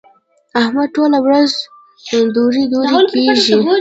احمد ټوله ورځ دورې دورې کېږي.